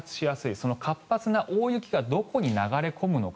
その活発な大雪がどこに流れ込むのか。